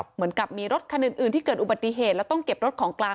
เหมือนกับมีรถคันอื่นที่เกิดอุบัติเหตุแล้วต้องเก็บรถของกลาง